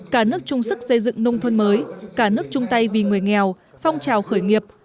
cả nước chung sức xây dựng nông thôn mới cả nước chung tay vì người nghèo phong trào khởi nghiệp